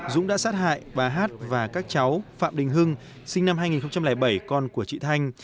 dũng đã sát hại bà hát và các cháu phạm đình hưng sinh năm hai nghìn bảy con của chị thanh